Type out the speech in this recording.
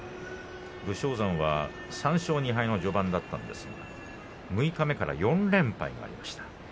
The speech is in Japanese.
武将山は３勝２敗の序盤だったんですが六日目から４連敗がありました。